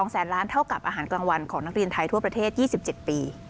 แสนล้านเท่ากับอาหารกลางวันของนักเรียนไทยทั่วประเทศ๒๗ปี